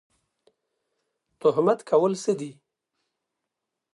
تهمت کول څه دي؟